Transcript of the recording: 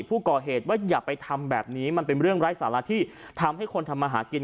ผู้ก่อเหตุว่าอย่าไปทำแบบนี้มันเป็นเรื่องไร้สาระที่ทำให้คนทำมาหากิน